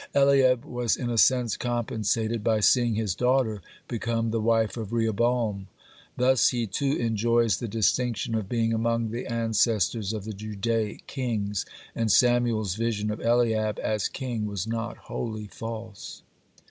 (20) Eliab was in a sense compensated by seeing his daughter become the wife of Rehoboam. Thus he, too, enjoys the distinction of being among the ancestors of the Judaic kings, and Samuel's vision of Eliab as king was not wholly false.